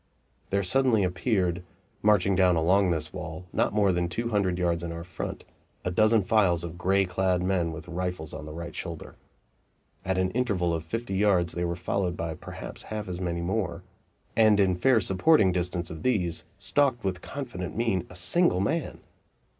There suddenly appeared, marching down along this wall, not more than two hundred yards in our front, a dozen files of gray clad men with rifles on the right shoulder. At an interval of fifty yards they were followed by perhaps half as many more; and in fair supporting distance of these stalked with confident mien a single man!